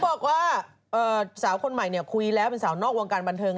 บอกว่าสาวคนใหม่คุยแล้วเป็นสาวนอกวงการบันเทิง